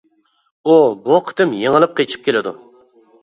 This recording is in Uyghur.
ئۇ بۇ قېتىم يېڭىلىپ قېچىپ كېلىدۇ.